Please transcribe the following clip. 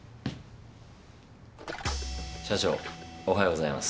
社長おはようございます。